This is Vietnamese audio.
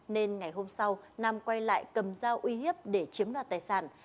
nên ngày hôm sau nam quay lại cầm dao uy hiếp để chiếm đoạt tài sản